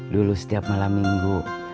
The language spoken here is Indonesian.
dulu setiap malam minggu